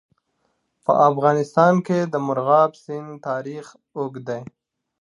په افغانستان کې د مورغاب سیند تاریخ اوږد دی.